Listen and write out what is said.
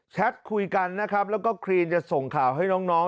คุยกันนะครับแล้วก็ครีนจะส่งข่าวให้น้อง